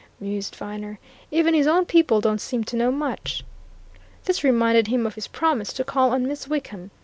mused Viner. "Even his own people don't seem to know much." This reminded him of his promise to call on Miss Wickham.